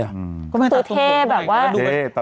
ดูเท่แบบว่า